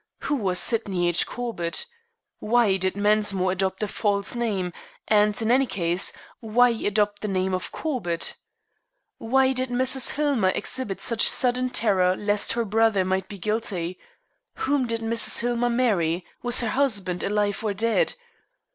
Who was Sydney H. Corbett? Why did Mensmore adopt a false name; and, in any case, why adopt the name of Corbett? Why did Mrs. Hillmer exhibit such sudden terror lest her brother might be guilty? Whom did Mrs. Hillmer marry? Was her husband alive or dead?